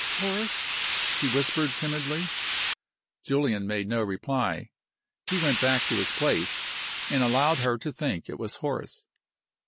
"Horace?" she whispered, timidly. Julian made no reply. He went back to his place, and allowed her to think it was Horace.